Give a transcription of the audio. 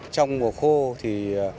trong mùa khô thì